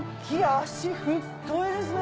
脚太いですね！